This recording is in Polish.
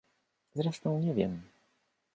Zresztą nie wiem.